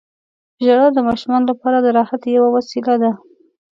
• ژړا د ماشومانو لپاره د راحت یوه وسیله ده.